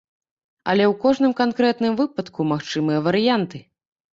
Але ў кожным канкрэтным выпадку магчымыя варыянты.